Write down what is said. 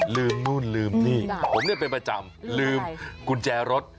ลืมนู่นนี่ผมเป็นประจำลืมกุญแจรถ